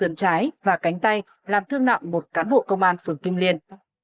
sườn trái và cánh tay làm thương nặng một cán bộ công an phường kim liên